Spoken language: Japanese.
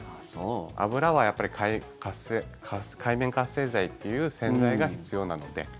脂はやっぱり界面活性剤っていう洗剤が必要なので。